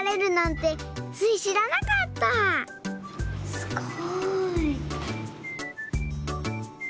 すごい。